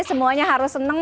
semuanya harus seneng